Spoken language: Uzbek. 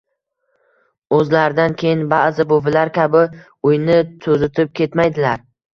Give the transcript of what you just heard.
o‘zlaridan keyin ba’zi buvilar kabi uyni to‘zitib ketmaydilar.